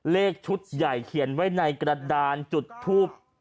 เลขชุดใหญ่เขียนไว้ในกระดานจุดทูบ